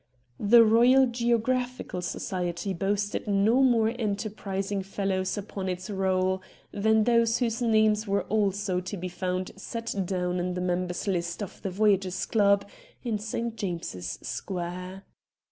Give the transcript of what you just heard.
The Eoyal Geographical Society boasted no more enterprising fellows upon its roll than those whose names were also to be found set down in the members' list of the Voyagers' Club in St. James's Square.